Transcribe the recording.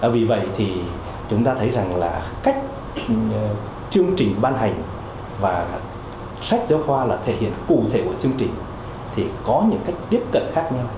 vì vậy thì chúng ta thấy rằng là cách chương trình ban hành và sách giáo khoa là thể hiện cụ thể của chương trình thì có những cách tiếp cận khác nhau